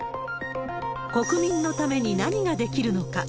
国民のために何ができるのか。